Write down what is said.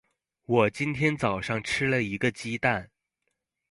我今天早上吃了一个鸡蛋。